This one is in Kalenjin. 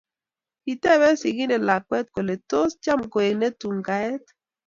Kiteebe sigindet lakwet kole tos cham koek ne tun kaet